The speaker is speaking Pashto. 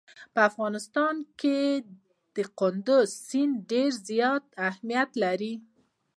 په افغانستان کې کندز سیند ډېر زیات اهمیت لري.